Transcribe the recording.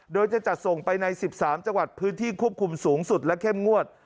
โดยจะจัดส่งไปใน๑๓จังหวัดพื้นที่ควบคุมสูงสุดและเข้มงวด